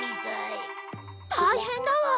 大変だわ。